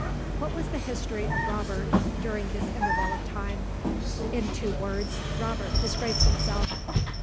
What was the history of Robert, during this interval of time? In two words, Robert disgraced himself.